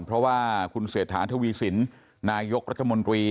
เพราะว่าคุณเศรษฐาทวีสินนายกรัฐมนตรี